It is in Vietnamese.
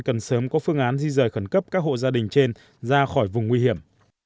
cần sớm có phương án di rời khẩn cấp các hộ gia đình trên ra khỏi vùng nguy hiểm